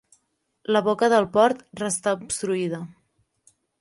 La boca del port restà obstruïda.